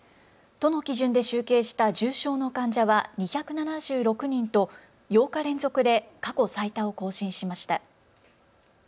都の基準で集計した重症の患者は２７６人と８日連続で過去最多を更新しました。